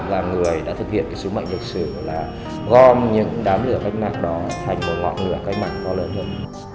và người đã thực hiện cái sứ mệnh lịch sử là gom những đám lửa cách mạng đó thành một ngọn lửa cách mạng to lớn hơn